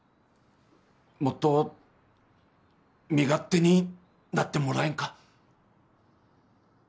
もっと身勝手になってもらえんか？